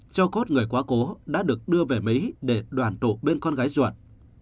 cho cốt người quá cố đã được đưa về mấy để đoàn tụ bên con gái ruột